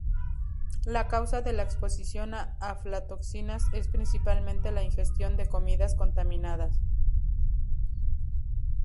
La causa de la exposición a aflatoxinas es principalmente la ingestión de comidas contaminadas.